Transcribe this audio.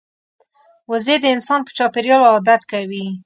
وزې د انسان په چاپېریال عادت کوي